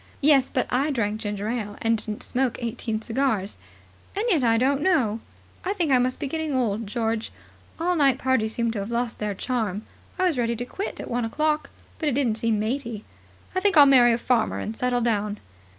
"Yes, but I drank ginger ale, and didn't smoke eighteen cigars. And yet, I don't know. I think I must be getting old, George. All night parties seem to have lost their charm. I was ready to quit at one o'clock, but it didn't seem matey. I think I'll marry a farmer and settle down."